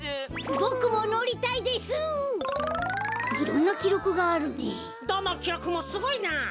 どのきろくもすごいな！